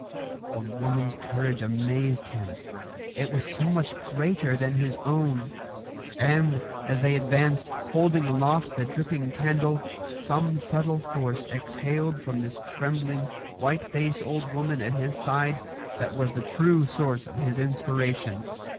The woman's courage amazed him; it was so much greater than his own; and, as they advanced, holding aloft the dripping candle, some subtle force exhaled from this trembling, white faced old woman at his side that was the true source of his inspiration.